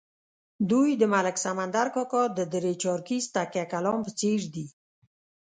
دوی د ملک سمندر کاکا د درې چارکیز تکیه کلام په څېر دي.